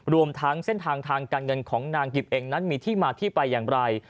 รวมทั้งเส้นทางทางการเงินของนางกิบเองนั้นมีที่มาที่ไปอย่างไร